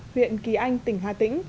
huyện kỳ anh tỉnh hà tĩnh